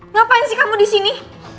ngapain sih kamu disini